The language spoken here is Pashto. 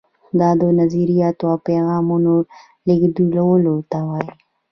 دا د نظریاتو او پیغامونو لیږدولو ته وایي.